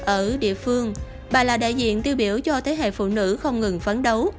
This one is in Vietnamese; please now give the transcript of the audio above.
ở địa phương bà là đại diện tiêu biểu cho thế hệ phụ nữ không ngừng phấn đấu